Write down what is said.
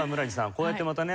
こうやってまたね